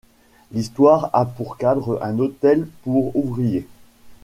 L'histoire a pour cadre un hôtel pour ouvriers.